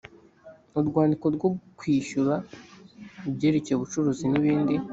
urwandiko rwo kwishyura ibyerekeye ubucuruzi n’ibindi